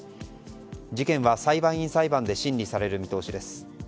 事件は裁判員裁判で審理される見通しです。